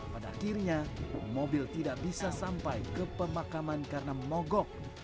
pada akhirnya mobil tidak bisa sampai ke pemakaman karena mogok